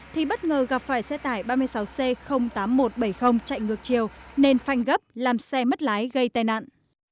thì bất ngờ gặp phải xe tải ba mươi sáu c tám nghìn một trăm bảy mươi chạy ngược chiều nên phanh gấp làm xe mất lái gây tai nạn